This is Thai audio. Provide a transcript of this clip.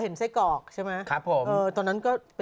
ไม่ใช่ตอนโน่ฮะ